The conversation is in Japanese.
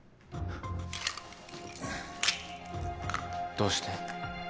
どうして？